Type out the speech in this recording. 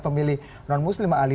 pemilih non muslim ali